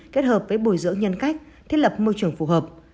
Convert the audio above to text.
kết hợp với bồi dưỡng nhân cách thiết lập môi trường phù hợp